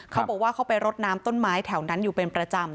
เขาบอกว่าเขาไปรดน้ำต้นไม้แถวนั้นอยู่เป็นประจำ